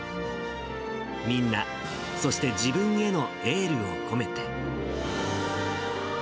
みんな、そして自分へのエールを込めて。